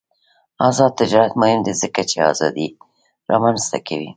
آزاد تجارت مهم دی ځکه چې ازادي رامنځته کوي.